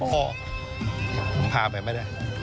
ก็ผมพาไปไม่ได้